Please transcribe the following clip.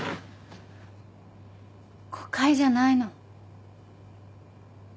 誤解じゃないの。